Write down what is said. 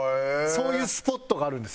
そういうスポットがあるんですよ。